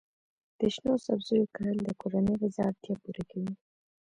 د شنو سبزیو کرل د کورنۍ غذایي اړتیا پوره کوي.